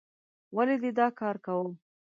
ولې دې دا کار کوو؟